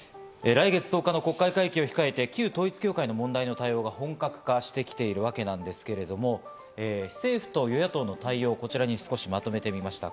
来月１０日の国会会期を控えて旧統一教会の問題の対応が本格化しているわけなんですけれども、政府と与野党の対応、こちらに少しまとめてみました。